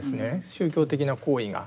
宗教的な行為が。